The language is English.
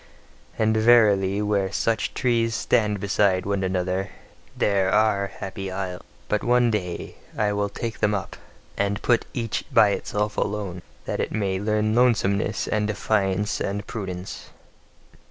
And verily, where such trees stand beside one another, there ARE Happy Isles! But one day will I take them up, and put each by itself alone: that it may learn lonesomeness and defiance and prudence.